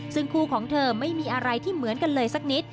ซึ่งคู่ของเธอไม่มีอะไรที่เหมือนกันเลยสักนิด